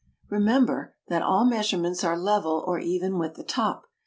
Remember that all measurements are level or even with the top.